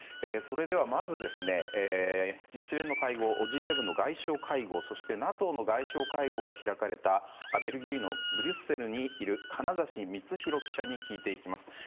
それではまず、一連の会合Ｇ７の外相会合、そしてＮＡＴＯの外相会合が開かれたベルギーのブリュッセルにいる金指光宏記者に聞いていきます。